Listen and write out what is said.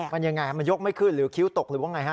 มันยังไงมันยกไม่ขึ้นหรือคิ้วตกหรือว่าไงฮะ